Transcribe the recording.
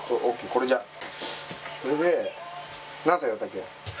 これじゃこれで何歳だったっけ？